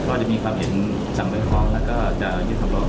เขาจะมีความเห็นสำเร็จพร้อมและก็จะยืดคำลองขอ